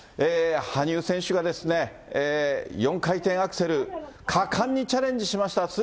羽生選手が４回転アクセル、果敢にチャレンジしました。